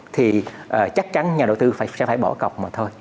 thì chắc chắn nhà đầu tư phải sẽ phải bỏ cọc mà thôi